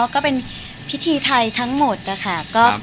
ก็เป็นพิธีไทยทั้งหมดนะคะ